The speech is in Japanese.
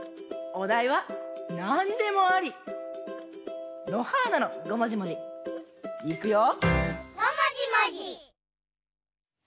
おだいはなんでもあり！のはーなのごもじもじいくよ！